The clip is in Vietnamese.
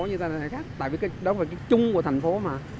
như thế này khác tại vì đó là cái chung của thành phố mà